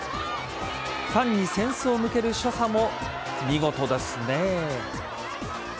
ファンに扇子を向ける所作も見事ですね。